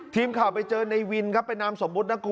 ทีมข่าวไปเจอในวินครับเป็นนามสมมุตินะคุณ